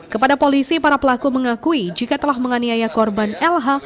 kepada polisi para pelaku mengakui jika telah menganiaya korban lh